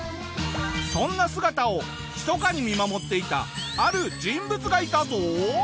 そんな姿をひそかに見守っていたある人物がいたぞ！